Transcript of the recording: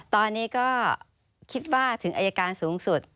ตอนนี้ก็คิดว่าถึงอายการสูงสุด